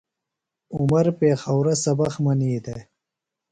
عمر پیخورہ سبق منی دےۡ۔